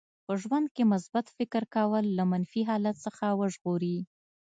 په ژوند کې مثبت فکر کول له منفي حالت څخه وژغوري.